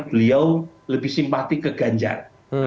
beliau lebih simpati ke ganjar